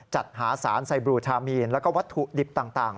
จัดหาสารไซบลูทามีนแล้วก็วัตถุดิบต่าง